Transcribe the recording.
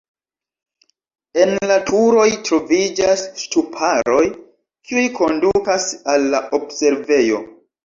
En la turoj troviĝas ŝtuparoj, kiuj kondukas al la observejo.